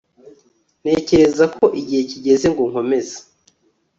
Ntekereza ko igihe kigeze ngo nkomeze